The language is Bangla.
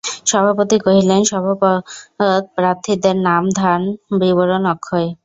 সভাপতি কহিলেন, সভ্যপদপ্রার্থীদের নাম ধাম বিবরণ– অক্ষয়।